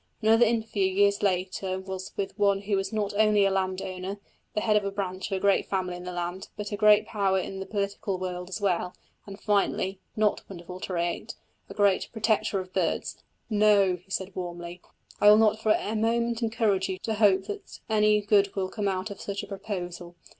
Another interview years later was with one who is not only a landowner, the head of a branch of a great family in the land, but a great power in the political world as well, and, finally, (not wonderful to relate) a great "protector of birds." "No," he said warmly, "I will not for a moment encourage you to hope that any good will come of such a proposal.